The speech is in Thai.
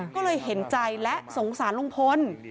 ก็เลยเห็นใจและสงสารลุงพล